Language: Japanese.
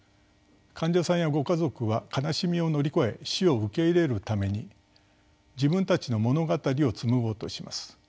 患者さんやご家族は悲しみを乗り越え死を受け入れるために自分たちの物語を紡ごうとします。